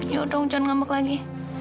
yaudah jangan susah lagi